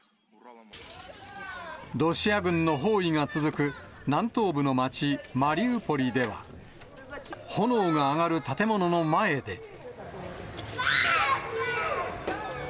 ロシア軍の包囲が続く南東部の町、マリウポリでは、炎が上がる建物の前で。